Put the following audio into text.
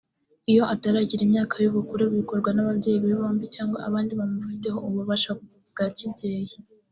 Iyo ataragira imyaka y’ubukure bikorwa n’ababyeyi be bombi cyangwa abandi bamufiteho ububasha bwa kibyeyi